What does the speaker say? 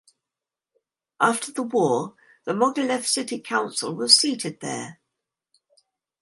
After the war the Mogilev City Council was seated there.